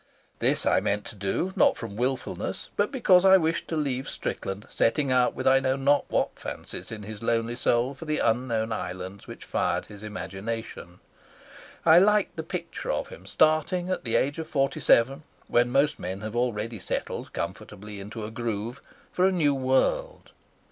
This I meant to do, not from wilfulness, but because I wished to leave Strickland setting out with I know not what fancies in his lonely soul for the unknown islands which fired his imagination. I liked the picture of him starting at the age of forty seven, when most men have already settled comfortably in a groove, for a new world.